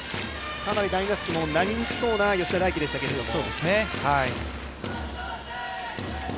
かなり第２打席も投げにくそうな吉田大喜でしたけれども。